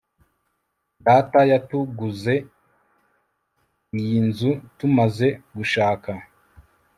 Data yatuguze iyi nzu tumaze gushaka